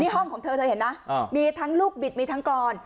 ห้องของเธอเธอเห็นนะมีทั้งลูกบิดมีทั้งกรอน